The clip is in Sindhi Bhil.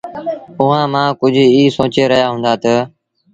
اُئآݩٚ مآݩٚ ڪجھ ايٚ سوچي رهيآ هُݩدآ تا